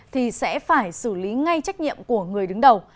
thì sẽ phải xử lý ngay trách nhiệm của người đứng đầu